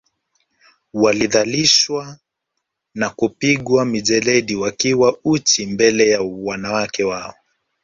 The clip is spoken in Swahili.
Walidhalishwa kwa kupigwa mijeledi wakiwa uchi mbele ya wanawake wao